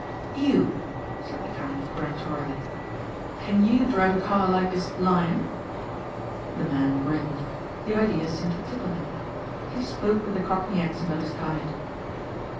"You," said the count peremptorily, "can you drive a car like this Lion?" The man grinned. The idea seemed to tickle him. He spoke with the cockney accent of his kind.